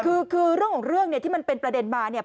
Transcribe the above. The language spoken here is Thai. คือคือเรื่องของเรื่องเนี่ยที่มันเป็นประเด็นมาเนี่ย